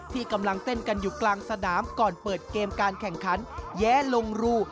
ที่กำลังเต้นกันอยู่กลางสนามก่อนเปิดเกมการแข่งขันแย้ลงรู